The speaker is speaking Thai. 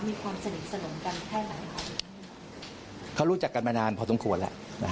มีความสนิทสนมกันแค่ไหนเขารู้จักกันมานานพอสมควรแล้ว